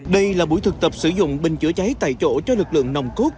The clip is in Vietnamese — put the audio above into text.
đây là buổi thực tập sử dụng bình chữa cháy tại chỗ cho lực lượng nồng cốt